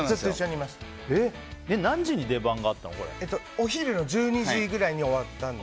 お昼の１２時ぐらいに終わって。